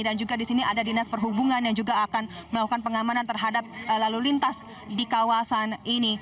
dan juga di sini ada dinas perhubungan yang juga akan melakukan pengamanan terhadap lalu lintas di kawasan ini